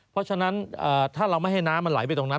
เพราะฉะนั้นถ้าเราไม่ให้น้ำมันไหลไปตรงนั้น